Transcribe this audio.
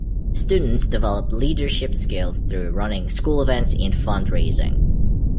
Students develop leadership skills through running school events and fund raising.